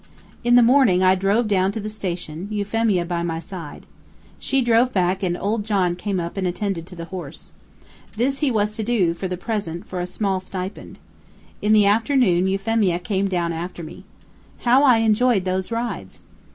In the morning I drove down to the station, Euphemia by my side. She drove back and Old John came up and attended to the horse. This he was to do, for the present, for a small stipend. In the afternoon Euphemia came down after me. How I enjoyed those rides!